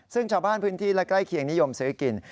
ซึ่งชาวบ้านพื้นที่และใกล้เคียงนิยมซื้อกิน